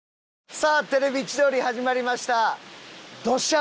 さあ『テレビ千鳥』始まりました。